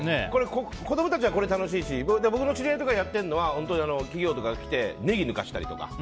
子供たちはこれで楽しいし僕の知り合いとかやってるのは企業とかが来てネギ抜かせたりとか。